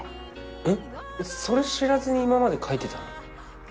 えっそれ知らずに今まで描いてたの？